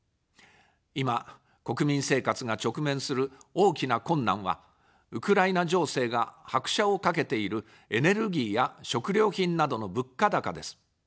今、国民生活が直面する大きな困難は、ウクライナ情勢が拍車をかけているエネルギーや食料品などの物価高です。